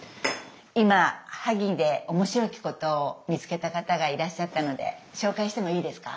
今萩でおもしろきことを見つけた方がいらっしゃったので紹介してもいいですか？